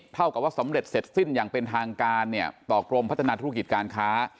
เท่ากับว่าสำเร็จเสร็จสิ้นอย่างเป็นทางการเนี่ยต่อกรมพัฒนาธุรกิจการค้า